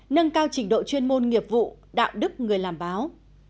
nâng cao trình độ chuyên môn nghiệp vụ đạo đức người làm báo